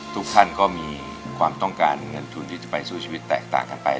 ทุกท่านก็มีความต้องการเงินทุนที่จะไปสู้ชีวิตแตกต่างกันไป